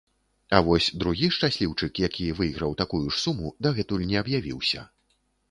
А вось другі шчасліўчык, які выйграў такую ж суму, дагэтуль не аб'явіўся.